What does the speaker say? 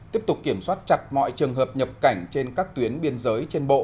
tiếp tục kiểm soát chặt mọi trường hợp nhập cảnh trên các tuyến biên giới trên bộ